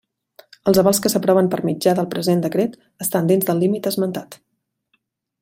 Els avals que s'aproven per mitjà del present decret estan dins del límit esmentat.